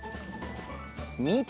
みて！